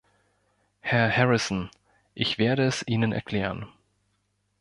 Herr Harrison, ich werde es Ihnen erklären.